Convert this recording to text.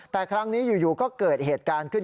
แต่ครั้งนี้อยู่ก็เกิดเหตุการณ์ขึ้น